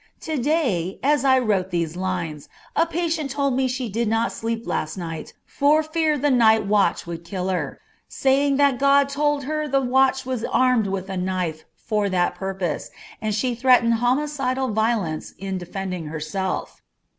To day, as I wrote these lines, a patient told me she did not sleep last night for fear the night watch would kill her saying that God told her the watch was armed with a knife for that purpose, and she threatened homicidal violence in defending herself.